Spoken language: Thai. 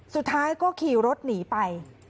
สุดท้ายก็ขี่รถหนีไป